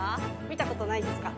見たことないですか？